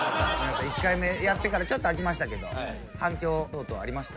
１回目やってからちょっと空きましたけど反響等々ありました？